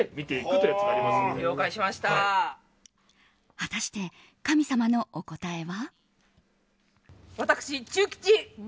果たして、神様のお答えは。